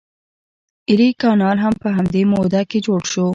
ایري کانال هم په همدې موده کې جوړ شو.